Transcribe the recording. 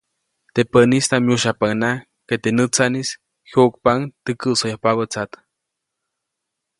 Teʼ pänistaʼm myujsyajpaʼuŋnaʼajk ke teʼ nätsaʼnis jyuʼkpaʼuŋ teʼ käʼsoyajpabä tsat.